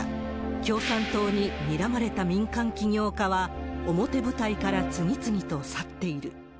共産党ににらまれた民間企業化は、表舞台から次々と去っている。